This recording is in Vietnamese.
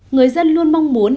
người dân luôn mong muốn